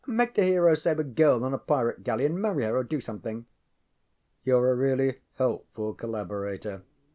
Make the hero save a girl on a pirate galley and marry her or do something. ŌĆØ ŌĆ£YouŌĆÖre a really helpful collaborator.